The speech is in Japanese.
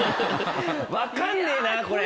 分かんねえなこれ！